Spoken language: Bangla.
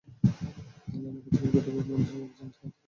অ্যালানা পৃথিবীর গুটি কয়েক মানুষের একজন, যাদের দেহে রয়েছে তিনজনের ডিএনএ।